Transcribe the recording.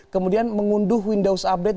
kemudian mengunduh windows update